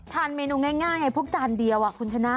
ทานเมนูง่ายไงพวกจานเดียวคุณชนะ